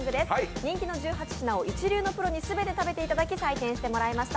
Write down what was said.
人気の１８品を一流のプロに全て食べていただき採点してもらいました。